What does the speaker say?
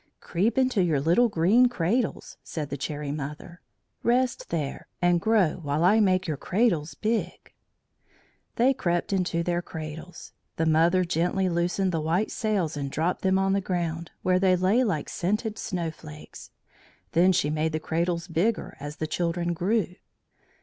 "Creep into your little green cradles," said the Cherry Mother. "Rest there and grow while I make your cradles big." They crept into their cradles. The mother gently loosened the white sails and dropped them on the ground, where they lay like scented snowflakes. Then she made the cradles bigger as the children grew.